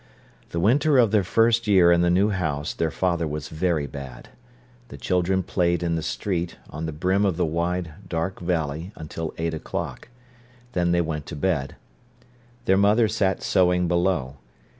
The winter of their first year in the new house their father was very bad. The children played in the street, on the brim of the wide, dark valley, until eight o'clock. Then they went to bed. Their mother sat sewing below.